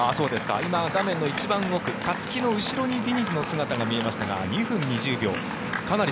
今、画面の一番奥勝木の後ろにディニズの姿が見えましたが２分２０秒。